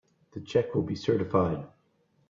The check will be certified.